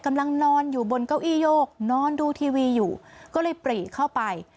นอนอยู่บนเก้าอี้ยกนอนดูทีวีอยู่ก็เลยปรีเข้าไป